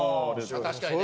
確かにね。